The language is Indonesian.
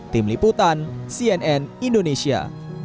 tim liputan cnn indonesia